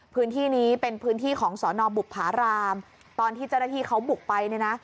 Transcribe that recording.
พื้นที่นี้เป็นพื้นที่ของสอนอบุภารามตอนที่เจ้าหน้าที่เขาบุกไปเนี่ยนะ